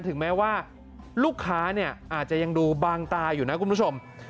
ถึงแม้ว่าลูกค้าเนี่ยอาจจะยังดูบางตาอยู่นะคุณผู้ชม